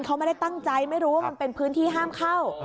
เขาไม่ได้ตั้งใจไม่รู้ว่ามันเป็นพื้นที่ห้ามเข้า